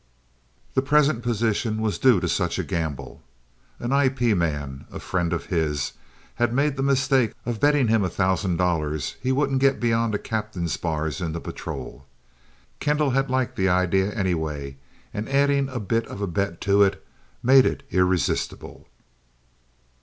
The present position was due to such a gamble. An IP man, a friend of his, had made the mistake of betting him a thousand dollars he wouldn't get beyond a Captain's bars in the Patrol. Kendall had liked the idea anyway, and adding a bit of a bet to it made it irresistible.